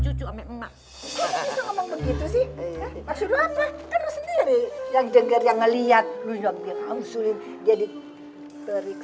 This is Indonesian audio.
cucu ame emak kagak bisa punya anak kagak bisa kasih cucu ame emak kagak bisa punya anak kagak bisa kasih cucu ame emak